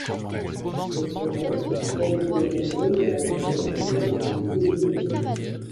Cette forêt n'a pas été altérée par la présence ou les activités humaines.